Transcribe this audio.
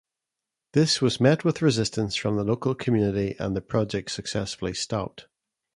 This was met with resistance from the local community and the project successfully stopped.